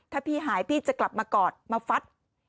ถ้าพี่หายพี่จะกลับมากอดมาฟัด